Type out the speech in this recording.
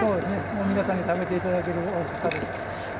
もう皆さんに食べていただける大きさです。